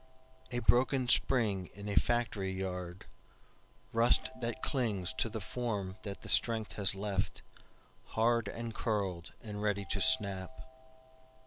A broken spring in a factory yard, Rust that clings to the form that the strength has leftHard and curled and ready to snap.